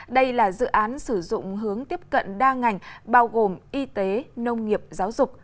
đây là dự án sử dụng hướng tiếp cận đa ngành bao gồm y tế nông nghiệp giáo dục